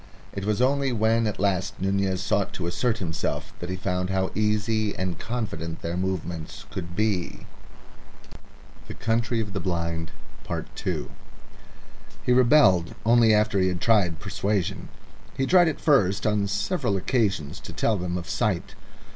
It was only when at last Nunez sought to assert himself that he found how easy and confident their movements could be. He rebelled only after he had tried persuasion. He tried at first on several occasions to tell them of sight.